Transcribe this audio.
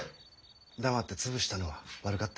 黙って潰したのは悪かった。